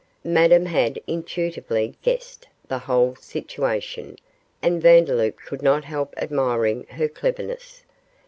Madame had intuitively guessed the whole situation, and Vandeloup could not help admiring her cleverness.